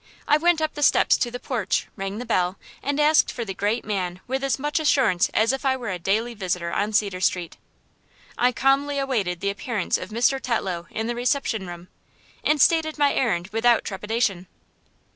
I went up the steps to the porch, rang the bell, and asked for the great man with as much assurance as if I were a daily visitor on Cedar Street. I calmly awaited the appearance of Mr. Tetlow in the reception room, and stated my errand without trepidation.